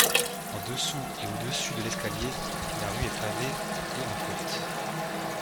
En dessous et au-dessus de l'escalier, la rue est pavée et en côte.